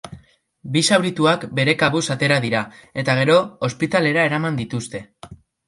Bi zaurituak bere kabuz atera dira, eta gero, ospitalera eraman dituzte.